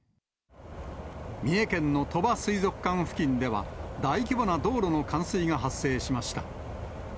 三重県の鳥羽水族館付近では、大規模な道路の冠水が発生しました。